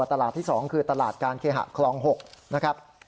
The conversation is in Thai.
ตลาดที่๒คือตลาดการเคหะคลอง๖นะครับ